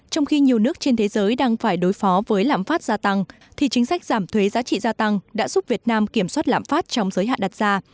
trong khi nhiều nước trên thế giới đang phải đối phó với lãm phát gia tăng thì chính sách giảm thuế giá trị gia tăng đã giúp việt nam kiểm soát lãm phát trong giới hạn đặt ra